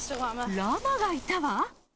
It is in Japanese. ラマがいたわ。